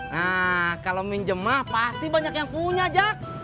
nah kalo minjem mah pasti banyak yang punya jack